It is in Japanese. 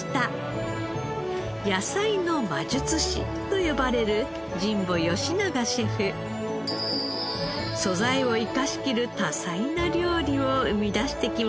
野菜の魔術師と呼ばれる素材を生かしきる多彩な料理を生み出してきました。